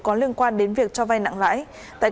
có liên quan đến việc cho vay lãi nặng trong giao dịch dân sự